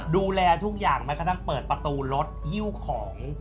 ดูแลทุกอย่างแม้กระทั่งเปิดประตูรถฮิ้วของ